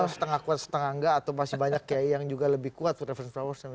setengah kuat setengah nggak atau masih banyak yang lebih kuat reference power